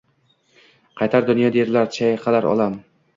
Qaytar dunyo derlar chayqalar olam.